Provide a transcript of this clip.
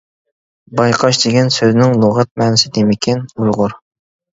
بايقاش دېگەن سۆزنىڭ لۇغەت مەنىسى نېمىكىن؟ ئۇيغۇر!